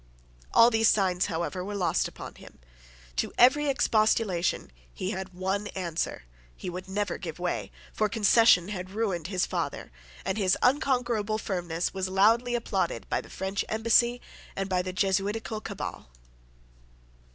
All these signs, however, were lost upon him. To every expostulation he had one answer: he would never give way; for concession had ruined his father; and his unconquerable firmness was loudly applauded by the French embassy and by the Jesuitical cabal.